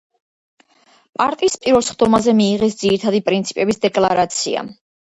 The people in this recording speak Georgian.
პარტიის პირველ სხდომაზე მიიღეს ძირითადი პრინციპების დეკლარაცია.